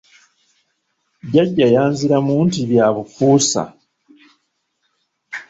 Jjajja yanziramu nti, bya bufuusa.